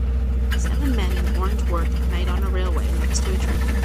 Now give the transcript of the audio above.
Seven men in orange work at night on a railway, next to a train.